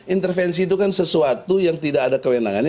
intervensi itu kan sesuatu yang tidak ada kewenangannya